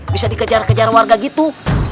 bisa dikejar kejar warga gitu